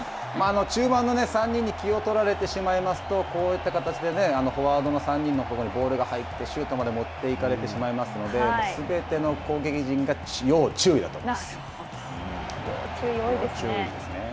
中盤の３人に気を取られてしまいますと、こういった形でね、フォワードの３人のところにボールが入って、シュートまで持っていかれてしまうので、すべての攻撃陣が要注意注意が多いですね。